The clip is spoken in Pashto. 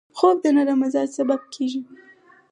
خوب د نرم مزاج سبب کېږي